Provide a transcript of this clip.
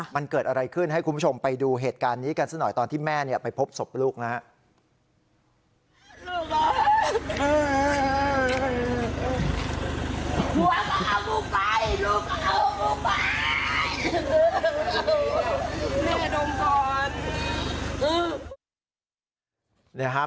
มันเกิดอะไรขึ้นให้คุณผู้ชมไปดูเหตุการณ์นี้กันสักหน่อยตอนที่แม่ไปพบศพลูกนะครับ